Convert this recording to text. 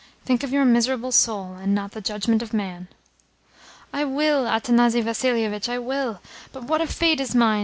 Think of your miserable soul, and not of the judgment of man." "I will, Athanasi Vassilievitch, I will. But what a fate is mine!